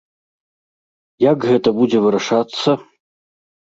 Як гэта будзе вырашацца?